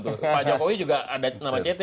pak jokowi juga ada nama ct